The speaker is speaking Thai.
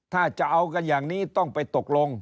ถ้าจะเอากันอย่างนี้ต้องไปตกลง